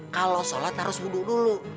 kalau sholat harus wudhu dulu